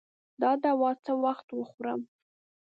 دا دوا څه وخت وخورم؟